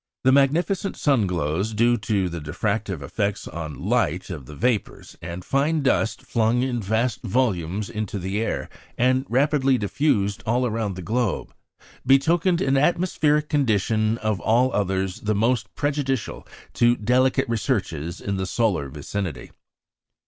The magnificent sunglows due to the diffractive effects on light of the vapours and fine dust flung in vast volumes into the air, and rapidly diffused all round the globe, betokened an atmospheric condition of all others the most prejudicial to delicate researches in the solar vicinity.